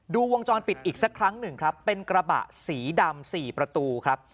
วงจรปิดอีกสักครั้งหนึ่งครับเป็นกระบะสีดำ๔ประตูครับ